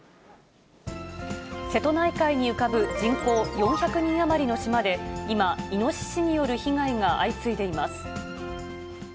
瀬戸内海に浮かぶ人口４００人余りの島で、今、イノシシによる被害が相次いでいます。